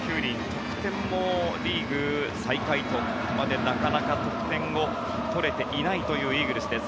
得点もリーグ最下位とここまでなかなか得点を取れていないというイーグルスです。